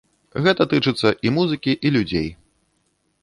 Гэта тычыцца і музыкі, і людзей.